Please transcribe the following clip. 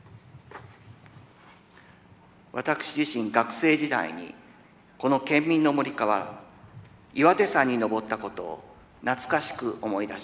私自身学生時代にこの県民の森から岩手山に登ったことを懐かしく思い出します。